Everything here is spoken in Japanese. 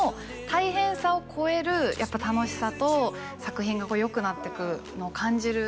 大変さを超えるやっぱ楽しさと作品がよくなってくのを感じる